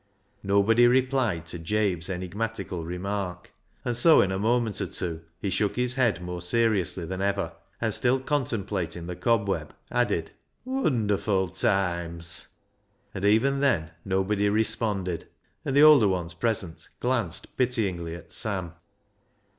Nobody replied to Jabe's enigmatical remark, and so in a moment or two he shook his head more seriously than ever, and still contemplating the cobweb, added —" Wunderful toimes." But, even then, nobody responded, and the older ones present glanced pityingly at Sam.